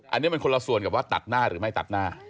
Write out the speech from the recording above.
อันนี้มันคนละส่วนกับว่าตัดหน้าหรือไม่ตัดหน้า